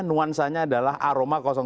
nuansanya adalah aroma dua